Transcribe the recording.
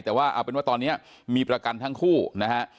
แต่ว่าเอาเป็นว่าตอนนี้มีประกันทั้งคู่นะฮะ